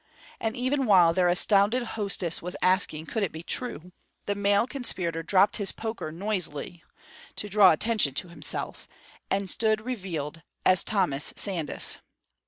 and even while their astounded hostess was asking could it be true, the male conspirator dropped his poker noisily (to draw attention to himself) and stood revealed as Thomas Sandys.